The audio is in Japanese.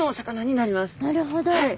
なるほど。